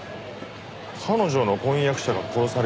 彼女の婚約者が殺された。